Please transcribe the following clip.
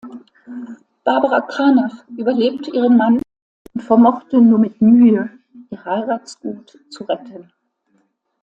Barbara Cranach überlebte ihren Mann und vermochte nur mit Mühe, ihr Heiratsgut zu retten.